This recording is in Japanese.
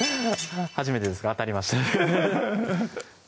初めてですが当たりましたフフフッ